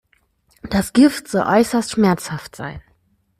Das Gift soll äußerst schmerzhaft sein.